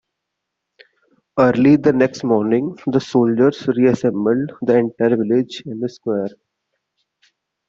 Early the next morning, the soldiers reassembled the entire village in the square.